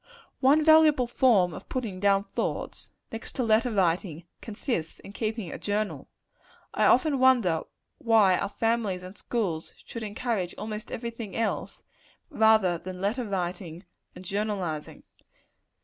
One valuable form of putting down thoughts next to letter writing consists in keeping a journal. I often wonder why our families and schools should encourage almost every thing else, rather than letter writing and journalizing.